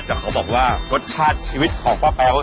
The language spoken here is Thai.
แต่เขาบอกว่ารสชาติชีวิตของป้าแป๊ว